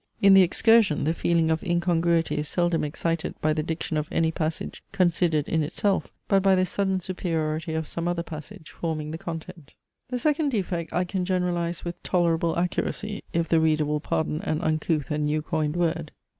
In THE EXCURSION the feeling of incongruity is seldom excited by the diction of any passage considered in itself, but by the sudden superiority of some other passage forming the context. The second defect I can generalize with tolerable accuracy, if the reader will pardon an uncouth and new coined word.